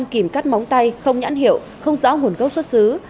sáu năm trăm linh kìm cắt móng tay không nhãn hiệu không rõ nguồn gốc xuất xứ